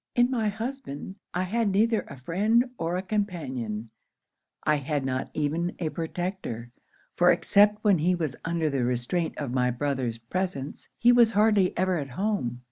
'In my husband, I had neither a friend or a companion I had not even a protector; for except when he was under the restraint of my brother's presence, he was hardly ever at home.